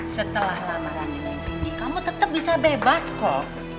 setelah lamaran dengan cindy kamu tetap bisa bebas kok